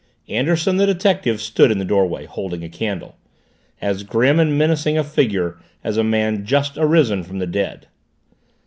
Anderson, the detective, stood in the doorway, holding a candle as grim and menacing a figure as a man just arisen from the dead.